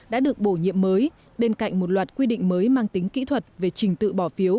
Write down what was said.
đã được bổ nhiệm mới bên cạnh một loạt quy định mới mang tính kỹ thuật về trình tự bỏ phiếu